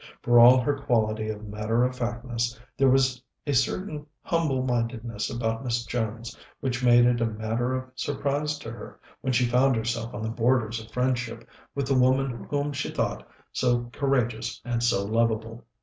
For all her quality of matter of factness, there was a certain humble mindedness about Miss Jones, which made it a matter of surprise to her when she found herself on the borders of friendship with the woman whom she thought so courageous and so lovable.